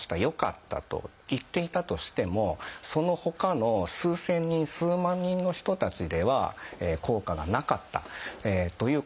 よかった」と言っていたとしてもそのほかの数千人数万人の人たちでは効果がなかったという可能性もありえる。